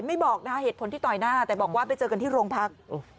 ไม่บอกนะคะเหตุผลที่ต่อยหน้าแต่บอกว่าไปเจอกันที่โรงพัก